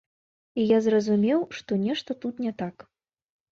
І я зразумеў, што нешта тут не так.